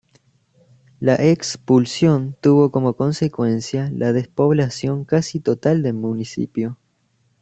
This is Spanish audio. La expulsión tuvo como consecuencia la despoblación casi total del municipio.